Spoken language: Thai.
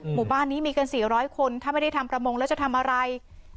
หมู่บ้านนี้มีกัน๔๐๐คนถ้าไม่ได้ทำประมงแล้วจะทำอะไร